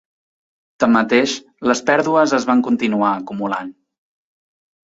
Tanmateix, les pèrdues es van continuar acumulant.